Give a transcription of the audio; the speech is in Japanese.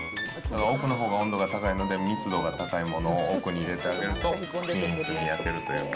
奥のほうが温度が高いので、密度の高いものを奥に入れてあげると、均一に焼けるというか。